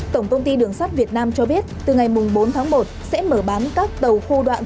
tổng công ty đường sắt việt nam cho biết từ ngày bốn tháng một sẽ mở bán các tàu khu đoạn